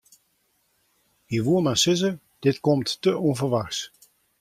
Hy woe mar sizze: dit komt te ûnferwachts.